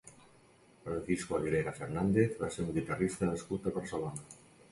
Francisco Aguilera Fernández va ser un guitarrista nascut a Barcelona.